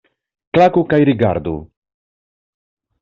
Klaku kaj rigardu!